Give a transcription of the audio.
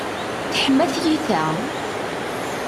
Teḥma tiyita.